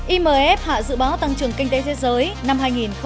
imf hạ dự báo tăng trưởng kinh tế thế giới năm hai nghìn một mươi tám